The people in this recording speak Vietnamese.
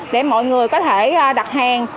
để mọi người có thể đặt hàng